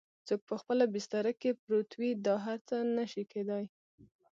څوک په خپله بستره کې پروت وي دا هر څه نه شي کیدای؟